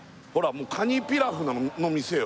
もうカニピラフの店よ